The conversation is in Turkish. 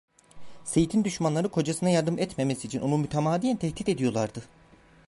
Seyit'in düşmanları kocasına yardım etmemesi için onu mütemadiyen tehdit ediyorlardı.